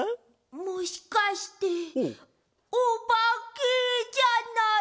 もしかしておばけじゃない？